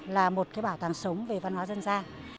là một bảo tàng sống về văn hóa dân gia